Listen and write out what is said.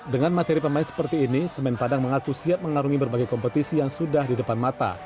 dengan materi pemain seperti ini semen padang mengaku siap mengarungi berbagai kompetisi yang sudah di depan mata